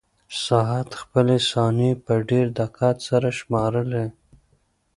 ساعت خپلې ثانیې په ډېر دقت سره شمارلې.